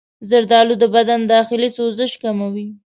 زردآلو د بدن داخلي سوزش کموي.